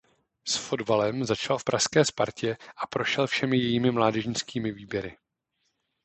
S fotbalem začal v pražské Spartě a prošel všemi jejími mládežnickými výběry.